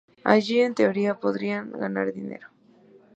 Allí, en teoría, podrían ganar dinero.